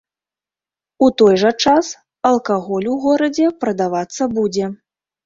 У той жа час алкаголь у горадзе прадавацца будзе.